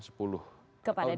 kepada dpr kan